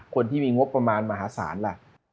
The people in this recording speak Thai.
คนที่มีงบประมาณมหาศาลล่ะ